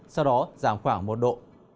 sau đó giảm khoảng một độ